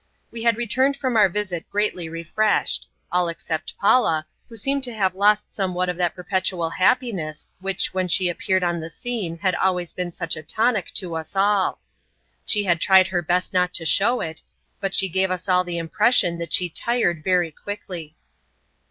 We had returned from our visit greatly refreshed all except Paula, who seemed to have lost somewhat of that perpetual happiness which, when she appeared on the scene had always been such a tonic to us all. She had tried her best not to show it, but she gave us all the impression that she tired very quickly.